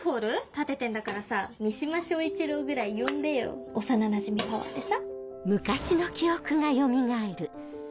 建ててんだからさ三島彰一郎ぐらい呼んでよ幼なじみパワーでさ。